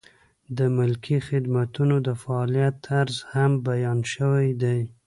د ملکي خدمتونو د فعالیت طرز هم بیان شوی دی.